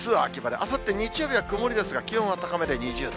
あさって日曜日は曇りですが、気温は高めで２０度。